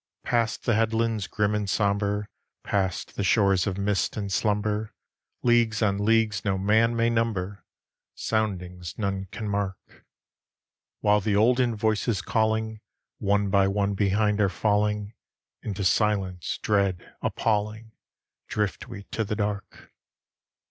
Past the headlands grim and sombre, Past the shores of mist and slumber, Leagues on leagues no man may number, Soundings none can mark; While the olden voices calling, One by one behind are falling; Into silence dread, appalling, Drift we to the dark.